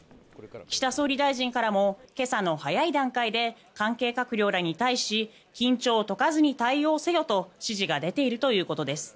岸田総理大臣からも今朝の早い段階で関係閣僚らに対し緊張を解かずに対応せよと指示が出ているということです。